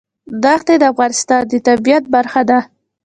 دښتې د افغانستان د طبیعت برخه ده.